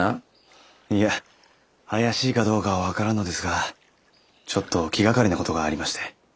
いや怪しいかどうかは分からんのですがちょっと気がかりなことがありまして。